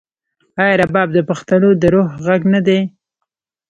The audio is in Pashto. آیا رباب د پښتنو د روح غږ نه دی؟